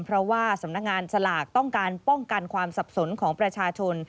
เพราะว่าสำนักงานสลากต้องการป้องกันความสับสนของประชาชน